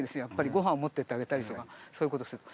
ごはんを持っていってあげたりとかそういうことすると。